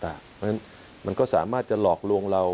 เพราะฉะนั้นมันก็สามารถจะหลอกลวงเรา